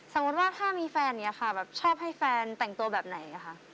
สมมุติว่าถ้ามีแฟนอยากให้แฟนแต่งตัวแบบไหน